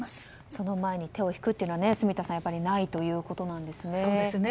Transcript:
その前に手を引くというのは住田さん、やっぱりないということなんですね。